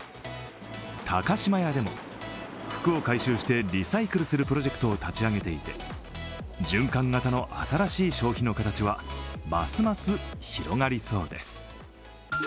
高島屋でも服を回収してリサイクルするプロジェクトを立ち上げていて循環型の新しい消費の形はますます広がりそうです。